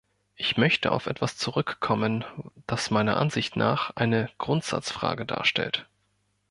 Ich möchte auf etwas zurückkommen, das meiner Ansicht nach eine Grundsatzfrage darstellt.